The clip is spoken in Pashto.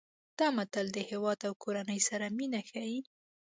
دا متل د هیواد او کورنۍ سره مینه ښيي